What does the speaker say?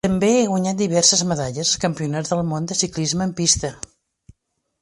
També ha guanyat diverses medalles als Campionats del Món de Ciclisme en pista.